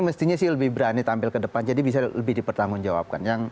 membuatnya mesti lebih berani tampil ke depan jadi bisa lebih dipertanggung jawabkan